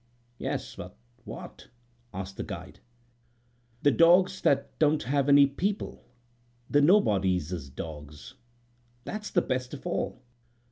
"Yes, but what?" asked the guide. "The dogs that don't have any people—the nobodies' dogs?" "That's the best of all.